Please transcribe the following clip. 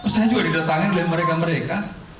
saya juga didatangi oleh mereka mereka